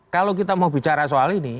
kalau kita mau bicara soal ini